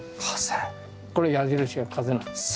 これ矢印が風なんです。